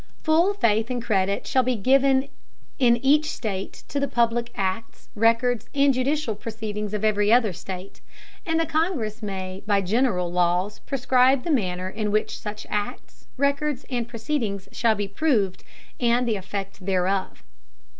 Full Faith and Credit shall be given in each State to the public Acts, Records, and judicial Proceedings of every other State. And the Congress may by general Laws prescribe the Manner in which such Acts, Records and Proceedings shall be proved, and the Effect thereof.